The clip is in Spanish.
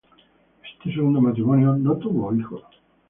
Este segundo matrimonio no tuvo hijos.